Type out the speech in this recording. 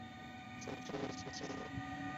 治所在齐熙县。